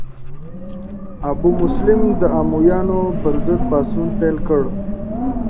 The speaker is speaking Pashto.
ابو مسلم د امویانو پر ضد پاڅون پیل کړ.